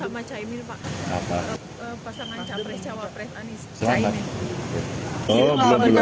minta soal kak anies sama cemil pak